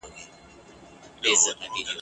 له لاهور تر پاني پټه غلیمان مي تار په تار کې !.